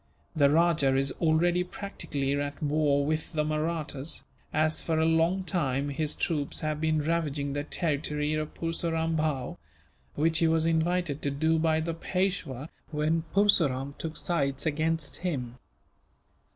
The rajah is already practically at war with the Mahrattas as, for a long time, his troops have been ravaging the territory of Purseram Bhow; which he was invited to do by the Peishwa, when Purseram took sides against him.